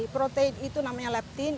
protein itu namanya leptin